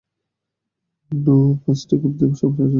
অন্য পাঁচটি কূপ থেকে প্রতিদিন মাত্র তিন কোটি ঘনফুট গ্যাস তোলা হচ্ছিল।